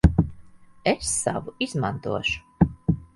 Es savu izmantošu.